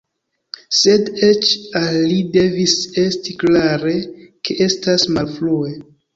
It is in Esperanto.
Sed eĉ al li devis esti klare, ke estas malfrue.